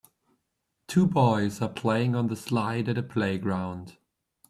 Two boys are playing on the slide at a playground